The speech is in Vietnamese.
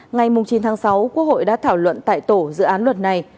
ngay mùng chín tháng sáu quốc hội đã thảo luận tại tổ dự án luật này